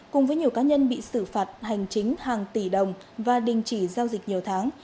cùng với nhiều cá nhân bị xử phạt hành chính hàng tỷ đồng và đình chỉ giao dịch nhiều tháng